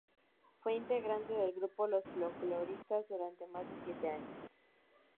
Fue integrante del grupo Los Folkloristas durante más de siete años.